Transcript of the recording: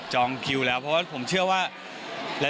คิวแล้วเพราะว่าผมเชื่อว่า